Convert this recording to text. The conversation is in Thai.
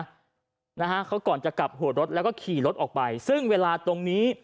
นะฮะเขาก่อนจะกลับหัวรถแล้วก็ขี่รถออกไปซึ่งเวลาตรงนี้